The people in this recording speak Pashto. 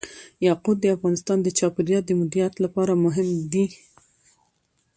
یاقوت د افغانستان د چاپیریال د مدیریت لپاره مهم دي.